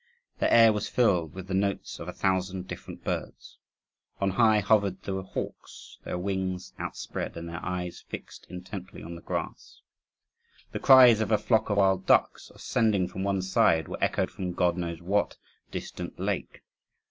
The air was filled with the notes of a thousand different birds. On high hovered the hawks, their wings outspread, and their eyes fixed intently on the grass. The cries of a flock of wild ducks, ascending from one side, were echoed from God knows what distant lake.